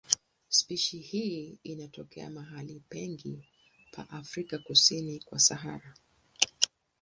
Spishi hii inatokea mahali pengi pa Afrika kusini kwa Sahara.